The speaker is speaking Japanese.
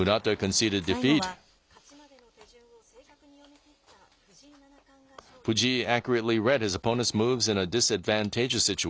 最後は勝ちまでの手順を正確に読み切った藤井七冠が勝利。